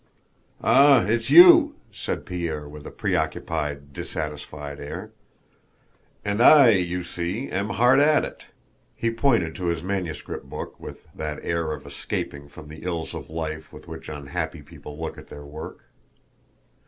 "Ah, it's you!" said Pierre with a preoccupied, dissatisfied air. "And I, you see, am hard at it." He pointed to his manuscript book with that air of escaping from the ills of life with which unhappy people look at their work.